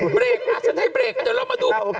เบรกอ่ะฉันให้เบรกอ่ะเดี๋ยวเรามาดู